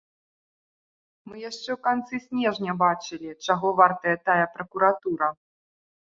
Мы яшчэ ў канцы снежня бачылі, чаго вартая тая пракуратура.